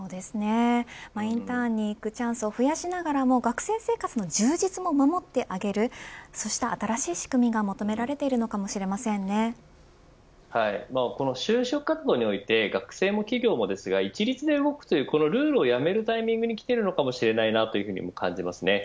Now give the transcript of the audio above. インターンに行くチャンスを増やしながら学生生活の充実も守るそうした新しい仕組みが就職活動において学生も企業も一律で動くというルールをやめるタイミングにきているかもしれないなと感じます。